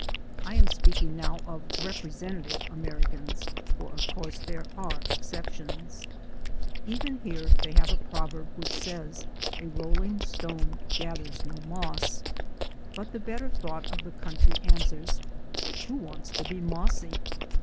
I am speaking now of representative Americans, for of course there are exceptions. Even here they have a proverb which says: "A rolling stone gathers no moss," but the better thought of the country an swers: "Who wants to be mossy?"